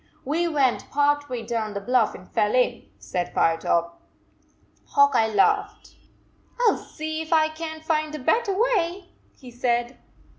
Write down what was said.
".We went part way down the bluff and fell in," said Firetop. Hawk Eye laughed. " I ll see if I can t find a better way," he said.